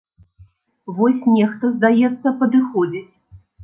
Вось нехта, здаецца, падыходзіць.